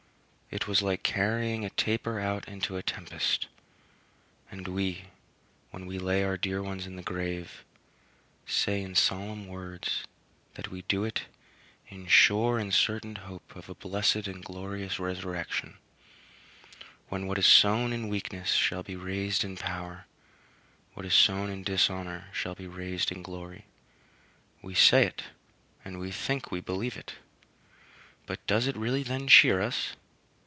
It was like carrying a taper out into a tempest. And we, when we lay our dear ones in the grave, say in solemn words that we do it "in sure and certain hope of a blessed and glorious resurrection," when what is sown in weakness shall be raised in power, what is sown in dishonor shall be raised in glory. We say it, and we think we believe it; but does it really then cheer us?